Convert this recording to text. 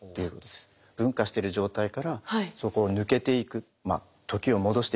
分化してる状態からそこをぬけていく。